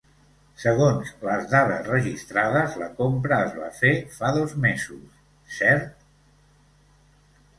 Segons les dades registrades, la compra es va fer fa dos mesos, cert?